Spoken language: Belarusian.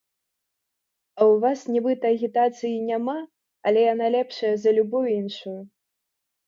А ў вас нібыта агітацыі і няма, але яна лепшая за любую іншую.